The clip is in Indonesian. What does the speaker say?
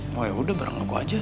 wah ya udah bareng lo kok aja